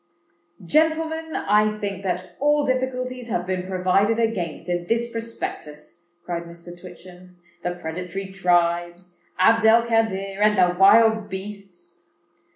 "Gentlemen, I think that all difficulties have been provided against in this Prospectus," cried Mr. Twitchem:—"the predatory tribes, Abd el Kadir, and the wild beasts."